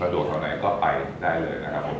สะดวกเท่าไหนก็ไปได้เลยนะครับ